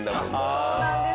そうなんです。